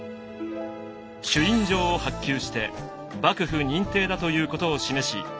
朱印状を発給して幕府認定だということを示し